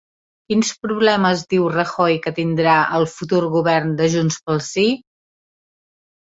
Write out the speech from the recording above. Quins problemes diu Rajoy que tindrà el futur govern de Junts pel Sí?